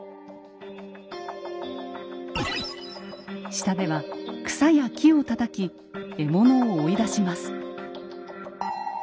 下では草や木をたたき獲物を追い出します。